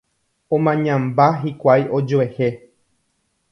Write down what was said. Omañamba hikuái ojuehe